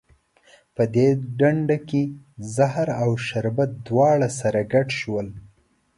په دې ډنډه کې زهر او شربت دواړه سره ګډ شول.